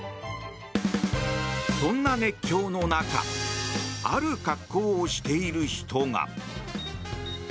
そんな熱狂の中ある格好をしている人が。